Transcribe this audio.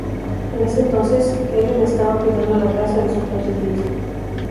En ese entonces, Ellen estaba cuidando la casa de su padre viudo.